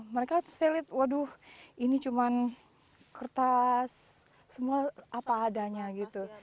mereka saya lihat waduh ini cuma kertas semua apa adanya gitu